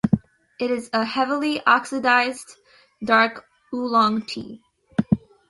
It is a heavily oxidized, dark oolong tea.